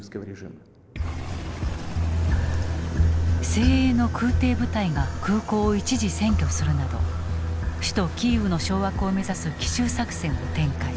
精鋭の空挺部隊が空港を一時占拠するなど首都キーウの掌握を目指す奇襲作戦を展開。